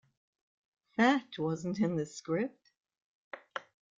That wasn't in the script.